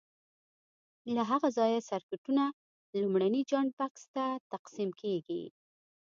له هغه ځایه سرکټونو لومړني جاینټ بکس ته تقسیم کېږي.